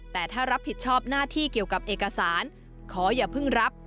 แต่ถ้ารับผิดชอบหน้าที่เกี่ยวกับเอกสารขออย่าเพิ่งรับ